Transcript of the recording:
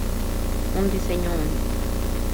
Un diseño único.